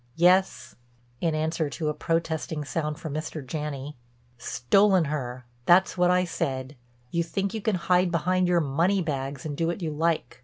Yes," in answer to a protesting sound from Mr. Janney, "stolen her—that's what I said. You think you can hide behind your money bags and do what you like.